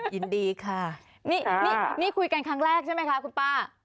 ยินดีค่ะนี่คุยกันครั้งแรกใช่ไหมคะคุณป้า